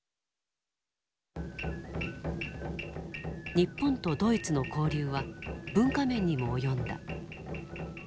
日本とドイツの交流は文化面にも及んだ。